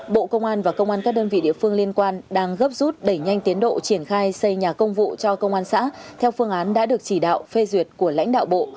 bộ công an và công an các đơn vị địa phương liên quan đang gấp rút đẩy nhanh tiến độ triển khai xây nhà công vụ cho công an xã theo phương án đã được chỉ đạo phê duyệt của lãnh đạo bộ